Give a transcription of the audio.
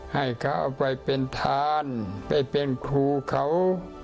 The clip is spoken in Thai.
ให้เขาไปเป็นทานไปเป็นครูเขา